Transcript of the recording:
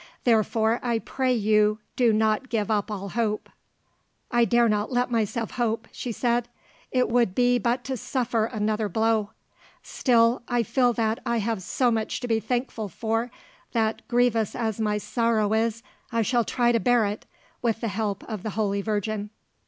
Therefore, I pray you do not give up all hope." "I dare not let myself hope," she said. "It would be but to suffer another blow. Still, I feel that I have so much to be thankful for that, grievous as my sorrow is, I shall try to bear it, with the help of the Holy Virgin."